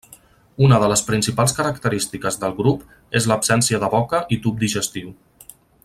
Una de les principals característiques del grup és l'absència de boca i tub digestiu.